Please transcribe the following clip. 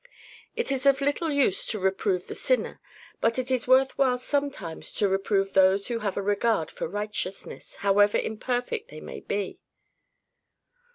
It is of little use to reprove the sinner, but it is worth while sometimes to reprove those who have a regard for righteousness, however imperfect they may be.